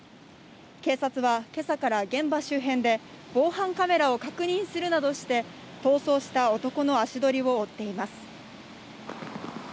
警察は今朝から現場周辺で防犯カメラを確認するなどして逃走した男の足取りを追っています。